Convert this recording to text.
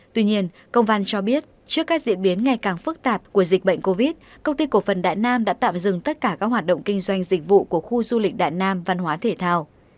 tuy nhiên công văn cho biết trước các diễn biến ngày càng phức tạp của dịch bệnh covid công ty cổ phần đại nam đã tạm dừng tất cả các hoạt động kinh doanh dịch vụ của khu du lịch đại nam văn hóa thể thao